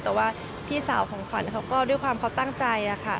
แต่ว่าพี่สาวของขวัญเขาก็ด้วยความเขาตั้งใจค่ะ